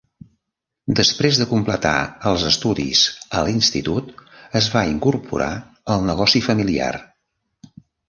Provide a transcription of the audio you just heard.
Després de completar els estudis a l'institut es va incorporar al negoci familiar.